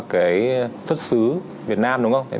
cái xuất xứ việt nam đúng không